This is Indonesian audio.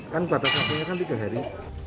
kan kota sakitnya kan dikumpulkan